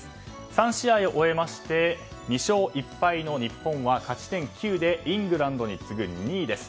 ３試合を終えまして２勝１敗の日本は勝ち点９でイングランドに次ぐ２位です。